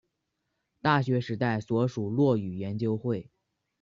大学时代所属落语研究会。